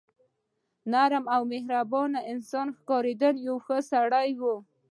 نرم او مهربان انسان ښکارېده، یو ښه سړی و.